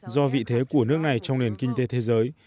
do vị thế của nước này trong nền kinh tế thế giới